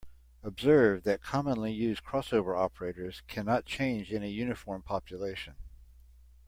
Observe that commonly used crossover operators cannot change any uniform population.